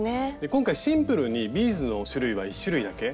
今回シンプルにビーズの種類は１種類だけ。